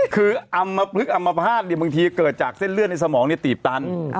คืออำมพลึกอำมภาษณบางทีเกิดจากเส้นเลือดในสมองตีบตัน